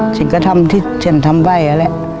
ฉันก็ทำที่ฉันทำไว้นั่นแหละ